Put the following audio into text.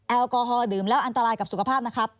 แอลกอฮอลดื่มแล้วอันตรายกับสุขภาพนะครับ